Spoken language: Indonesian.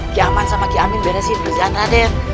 ki aman sama ki amin beresin pekerjaan raden